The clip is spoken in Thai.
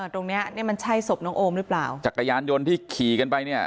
ตรงเนี้ยเนี้ยมันใช่ศพน้องโอมหรือเปล่าจักรยานยนต์ที่ขี่กันไปเนี่ย